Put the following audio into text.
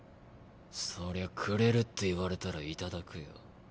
そりゃくれるって言われたらいただくよ。